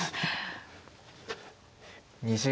２０秒。